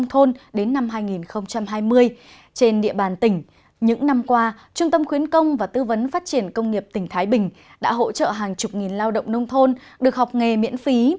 hôm qua trung tâm khuyến công và tư vấn phát triển công nghiệp tỉnh thái bình đã hỗ trợ hàng chục nghìn lao động nông thôn được học nghề miễn phí